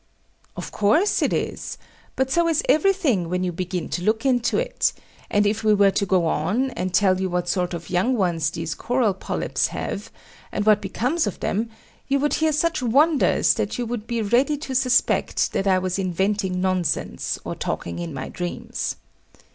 Of course it is: but so is everything when you begin to look into it; and if I were to go on, and tell you what sort of young ones these coral polypes have, and what becomes of them, you would hear such wonders, that you would be ready to suspect that I was inventing nonsense, or talking in my dreams.